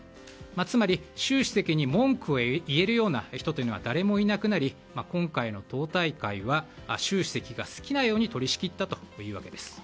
つまり、習主席に文句を言えるような人というのは誰もいなくなり、今回の党大会は習主席が好きなように取り仕切ったというわけです。